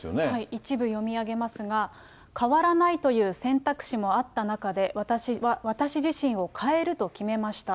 一部読み上げますが、変わらないという選択肢もあった中で、私は私自身を変えると決めました。